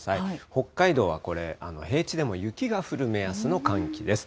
北海道はこれ、平地でも雪が降る目安の寒気です。